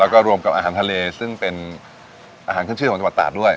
แล้วก็รวมกับอาหารทะเลซึ่งเป็นอาหารขึ้นชื่อของจังหวัดตากด้วย